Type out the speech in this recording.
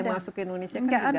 yang masuk ke indonesia